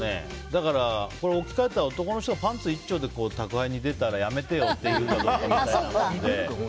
だから置き換えたら男の人がパンツ一丁で宅配に出たらやめてよってことで。